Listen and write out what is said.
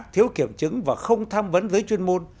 thiếu kiểm chứng và không tham vấn giới chuyên môn